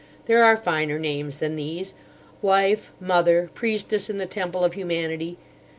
There are finer names than these: wife, mother, priestess in the temple of humanity.